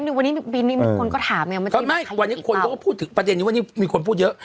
มันนี่วันนี้ปีนี้มีคนก็ถามเนี้ยไม่วันนี้ควรก็พูดถึงประเทศนี้วันนี้มีคนพูดเยอะ